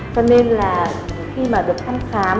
cho nên là khi mà được thăm khám